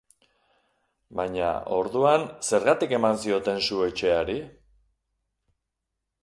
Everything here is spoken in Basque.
Baina, orduan, zergatik eman zioten su etxeari?